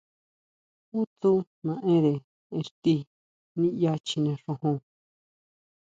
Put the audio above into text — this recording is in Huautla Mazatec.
¿Jú tsú naʼenre ixtí niʼya chjine xojon?